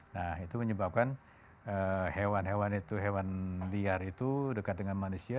nah itu menyebabkan hewan hewan itu hewan liar itu dekat dengan manusia